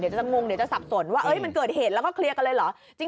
จะงงเดี๋ยวจะสับสนว่ามันเกิดเหตุแล้วก็เคลียร์กันเลยเหรอ